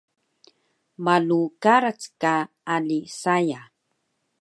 Malu karac ka ali saya